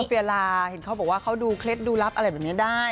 เวลาเห็นเขาบอกว่าเขาดูเคล็ดดูลับอะไรแบบนี้ได้